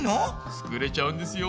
作れちゃうんですよ。